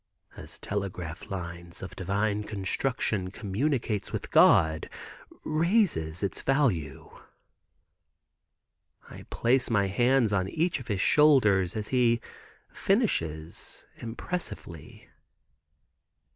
As telegraph lines of divine construction communes with God, raises its value." I place my hands on each of his shoulders, as he finishes impressively.